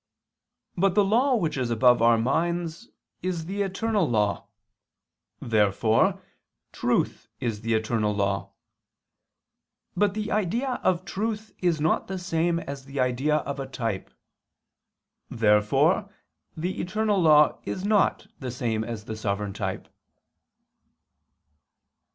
But the law which is above our minds is the eternal law. Therefore truth is the eternal law. But the idea of truth is not the same as the idea of a type. Therefore the eternal law is not the same as the sovereign type.